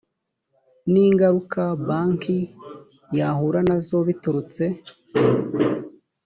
n ingaruka banki yahura nazo biturutse